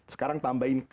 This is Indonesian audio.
sekarang tambahin k